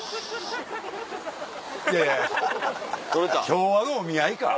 昭和のお見合いか！